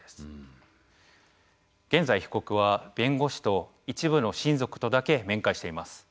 現在被告は弁護士と一部の親族とだけ面会しています。